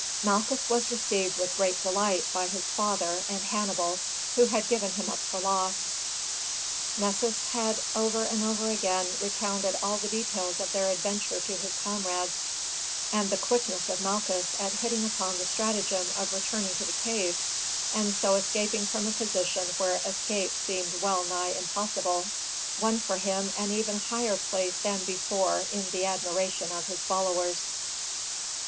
Malchus was received with great delight by his father and Hannibal, who had given him up for lost. Nessus had over and over again recounted all the details of their adventure to his comrades, and the quickness of Malchus at hitting upon the stratagem of returning to the cave, and so escaping from a position where escape seemed well nigh impossible, won for him an even higher place than before in the admiration of his followers.